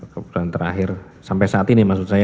kebulan terakhir sampai saat ini maksud saya